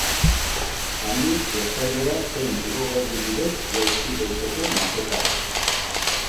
Handik eskailera zein igogailu bidez jaitsi daiteke nasetara.